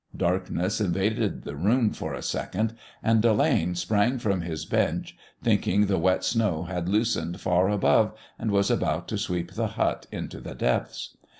Darkness invaded the room for a second, and Delane sprang from his bench, thinking the wet snow had loosened far above and was about to sweep the hut into the depths.